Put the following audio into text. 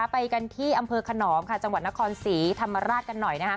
ไปกันที่อำเภอขนอมจังหวัดนครศรีธรรมราชกันหน่อย